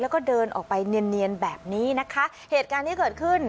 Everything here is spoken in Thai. แล้วก็เดินออกไปเนียนเนียนแบบนี้นะคะเหตุการณ์ที่เกิดขึ้น